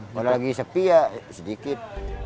kalau lagi sepi ya sedikit